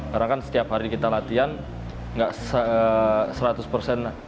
karena kan setiap hari kita latihan nggak setengah